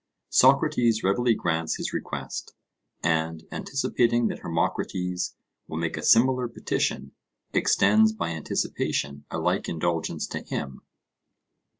Socrates readily grants his request, and anticipating that Hermocrates will make a similar petition, extends by anticipation a like indulgence to him.